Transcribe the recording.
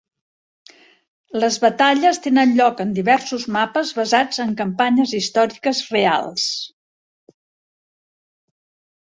Les batalles tenen lloc en diversos mapes basats en campanyes històriques reals.